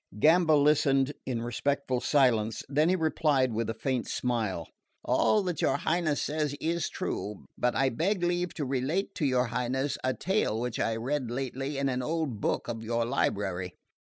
Gamba listened in respectful silence; then he replied with a faint smile: "All that your Highness says is true; but I beg leave to relate to your Highness a tale which I read lately in an old book of your library.